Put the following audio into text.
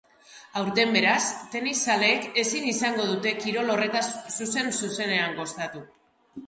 Aurten beraz, tenis zaleek ezin izango dute kirol horretaz zuzen-zuzenean gozatu.